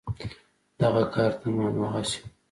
دغه کارت هم هماغسې و.